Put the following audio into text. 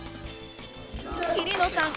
桐野さん